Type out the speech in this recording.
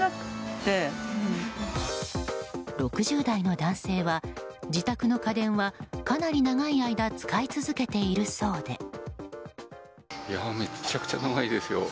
６０代の男性は自宅の家電は、かなり長い間使い続けているそうで。